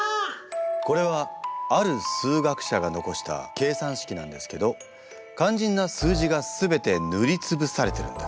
これはある数学者が残した計算式なんですけど肝心な数字が全て塗り潰されてるんだ。